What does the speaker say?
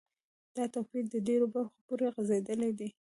دا توپیر د ډیرو برخو پوری غځیدلی دی.